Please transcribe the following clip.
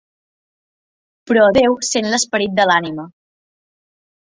Però Déu sent l'esperit de l'ànima.